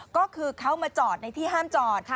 ก็คือเขามาจอดในที่ห้ามจอด